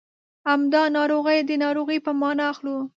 همدا ناروغي د ناروغۍ په مانا اخلو.